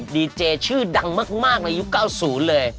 ดีเจชื่อดังมากในยุคเก้าศูนย์เลย